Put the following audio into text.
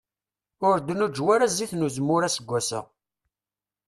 Ur d-nuǧew ara zzit n uzemmur aseggas-a.